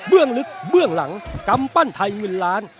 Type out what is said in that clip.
เบื้องลึกเบื้องหลังกรรมปั้นไทยเงินล้าน